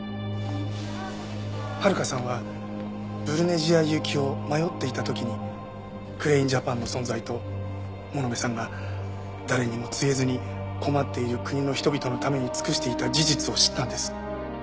遥さんはブルネジア行きを迷っていた時にクレインジャパンの存在と物部さんが誰にも告げずに困っている国の人々のために尽くしていた事実を知ったんです。